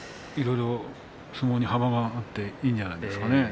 相撲に幅があっていいんじゃないですか。